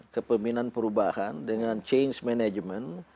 kepemimpinan perubahan dengan change management